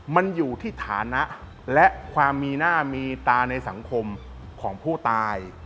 มันอยู่ที่ฐานะและความมีหน้ามีตาในสังคมของผู้ตาย